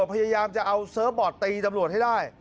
พยายามจะเอาเซิร์ฟบอร์ดตีตำรวจให้ได้